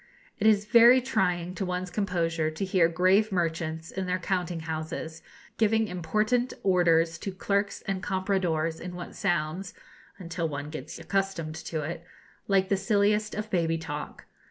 It is very trying to one's composure to hear grave merchants, in their counting houses, giving important orders to clerks and compradors in what sounds, until one gets accustomed to it, like the silliest of baby talk.